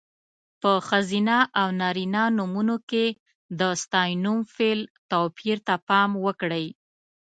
په ښځینه او نارینه نومونو کې د ستاینوم، فعل... توپیر ته پام وکړئ.